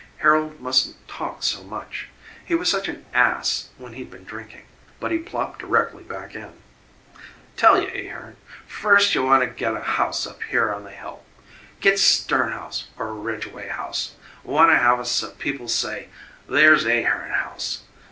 Harold mustn't talk so much. He was such an ASS when he'd been drinking. But he plopped directly back in. "Tell you, Ahearn. Firs' you wanna get a house up here on the hill. Get Stearne house or Ridgeway house. Wanna have it so people say: 'There's Ahearn house.'